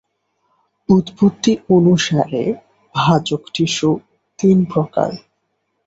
উৎপত্তি অনুসারে ভাজক টিস্যু তিন প্রকার।